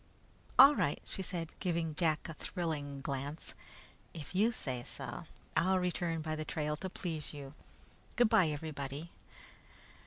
"All right," she said, giving Jack a thrilling glance. "If you say so, I'll return by the trail to please you. Good bye, everybody."